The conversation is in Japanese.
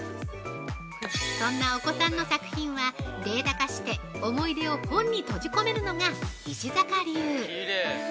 そんなお子さんの作品はデータ化して、思い出を本に閉じ込めるのが石阪流！